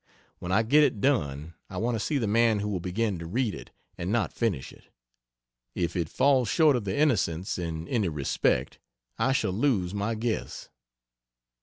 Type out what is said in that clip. When I get it done I want to see the man who will begin to read it and not finish it. If it falls short of the "Innocents" in any respect I shall lose my guess.